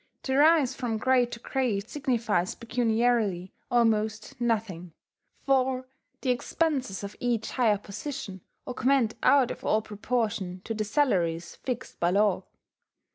To rise from grade to grade signifies pecuniarily almost nothing, for the expenses of each higher position augment out of all proportion to the salaries fixed by law.